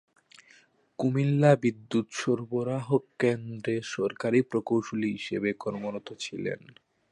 কুমিল্লা বিদ্যুৎ সরবরাহ কেন্দ্রে সহকারী প্রকৌশলী হিসেবে কর্মরত ছিলেন।